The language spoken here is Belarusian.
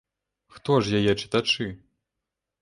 Хто ж яе чытачы?